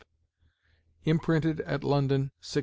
"Imprinted at London, 1626."